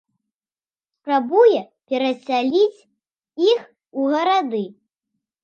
Спрабуе перасяляць іх у гарады.